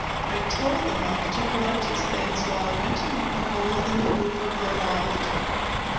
I told the monk to collect his things while I went to make the hole in the roof of the loft.